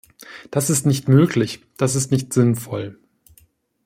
Das ist nicht möglich, das ist nicht sinnvoll.